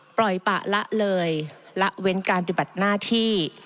ปล่อยปะละเลยละเว้นการปฏิบัติหน้าที่